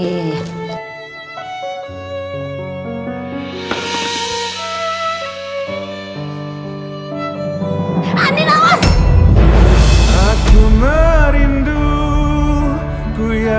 gue kok gak ada kuliah